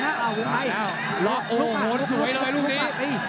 โหโหโหนสวยเลยลูกนี้